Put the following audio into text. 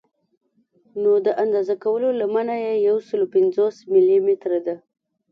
نو د اندازه کولو لمنه یې یو سل او پنځوس ملي متره ده.